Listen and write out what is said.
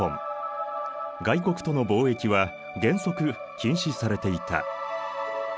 外国との貿易は原則禁止されていた。